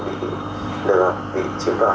bị lừa bị chiếm vào